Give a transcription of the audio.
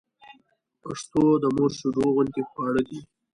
پښتو د مور شېدو غوندې خواړه ده